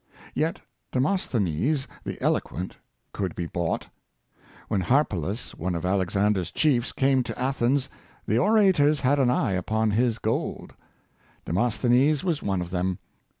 "" Yet Demosthenes, the eloquent, could be bought. When Harpalus, one of Alexander's chiefs, came to Athens, the orators had an eye upon his gold. Demos thenes was one of them.